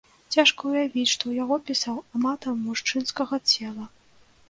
Цяжка ўявіць, што яго пісаў аматар мужчынскага цела.